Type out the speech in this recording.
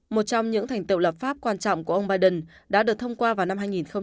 một trong những thành tựu lập pháp quan trọng của ông biden đã được thông qua vào năm hai nghìn một mươi